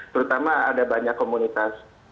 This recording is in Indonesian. terutama ada banyak komunitas